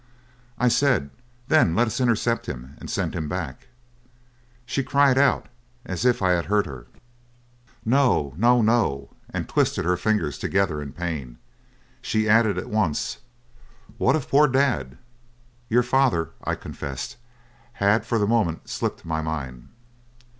"I said: 'Then let us intercept him and send him back!' "She cried out, as if I had hurt her: 'No, no, no!' and twisted her fingers together in pain. She added at once: 'What of poor Dad?' "'Your father,' I confessed, 'had for the moment slipped my mind.'